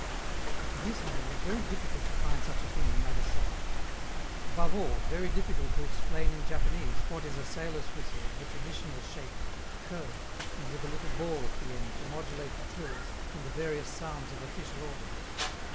It is, however, very difficult to find such a thing in Nagasaki; above all, very difficult to explain in Japanese what is a sailor's whistle of the traditional shape, curved, and with a little ball at the end to modulate the trills and the various sounds of official orders.